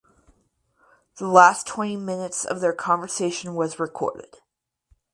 The last twenty minutes of their conversation was recorded.